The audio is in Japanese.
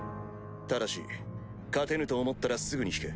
ただし勝てぬと思ったらすぐに引け。